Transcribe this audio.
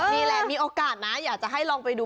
นี่แหละมีโอกาสนะอยากจะให้ลองไปดู